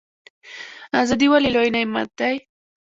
ازادي ولې لوی نعمت دی؟